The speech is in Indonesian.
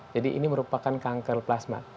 jadi ini merupakan kanker plasma